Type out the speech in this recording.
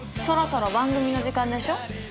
そろそろ番組の時間でしょ？